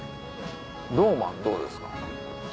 ドウマンどうですか。